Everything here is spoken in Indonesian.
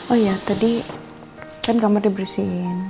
oh ya tadi kan kamar dibersihin